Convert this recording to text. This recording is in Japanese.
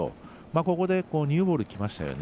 ここでニューボールきましたよね。